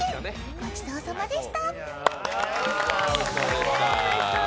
ごちそうさまでした。